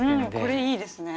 これいいですね。